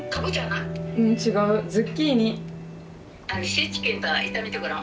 シーチキンと炒めてごらん。